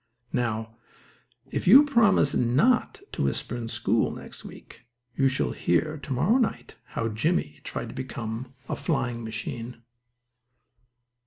Now, if you promise not to whisper in school next week you shall hear to morrow night how Jimmie tried to become a flying machine.